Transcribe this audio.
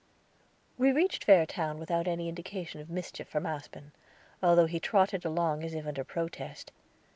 We reached Fairtown without any indication of mischief from Aspen, although he trotted along as if under protest.